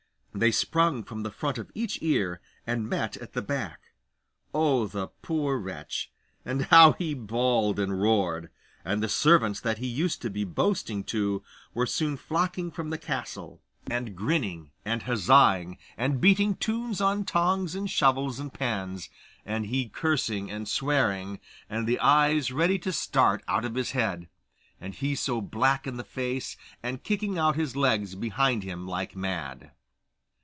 They sprung from the front of each ear, and met at the back. Oh, the poor wretch! And how he bawled and roared! and the servants that he used to be boasting to were soon flocking from the castle, and grinning, and huzzaing, and beating tunes on tongs and shovels and pans; and he cursing and swearing, and the eyes ready to start out of his head, and he so black in the face, and kicking out his legs behind him like mad.